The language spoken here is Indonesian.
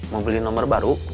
mau beli nomor baru